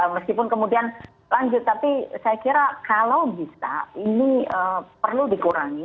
meskipun kemudian lanjut tapi saya kira kalau bisa ini perlu dikurangi